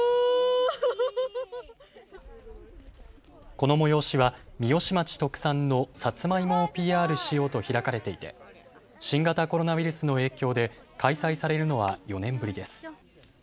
この催しは三芳町特産のさつまいもをＰＲしようと開かれていて新型コロナウイルスの影響で開催されるのは４年ぶりです。